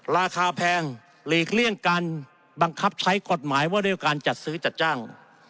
ราคาแพงหลีกเลี่ยงการบังคับใช้กฎหมายว่าด้วยการจัดซื้อจัดจ้าง